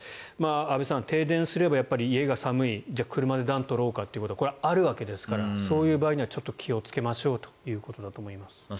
安部さん、停電すれば家が寒いじゃあ、車で暖を取ろうかということはあるわけですからそういう場合は気をつけましょうということだと思います。